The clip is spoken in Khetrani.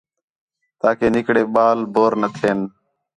تاکہ نِکرے ٻال بور نہ تھئین